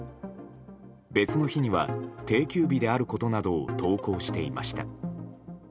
別の日には、定休日であることなどを投稿していました。